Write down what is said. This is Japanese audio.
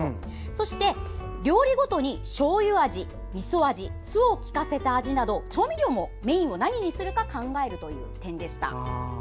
そして、料理ごとにしょうゆ味、みそ味酢を効かせた味など調味料も何をメインにするか考えるという点でした。